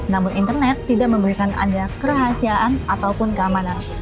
namun internet tidak memberikan anda kerahasiaan ataupun keamanan